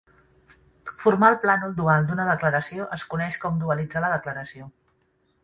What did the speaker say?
Formar el plànol dual d'una declaració es coneix com "dualitzar" la declaració.